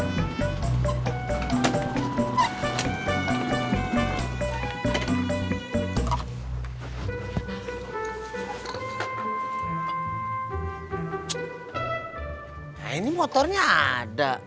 nah ini motornya ada